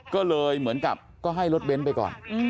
ก็เลยเหมือนกับก็ให้รถเบ้นไปก่อน